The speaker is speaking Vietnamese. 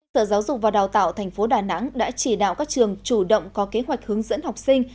sở giáo dục và đào tạo tp đà nẵng đã chỉ đạo các trường chủ động có kế hoạch hướng dẫn học sinh